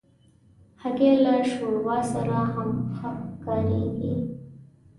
هګۍ له شوربا سره هم کارېږي.